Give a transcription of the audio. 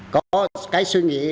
có cái suy nghĩ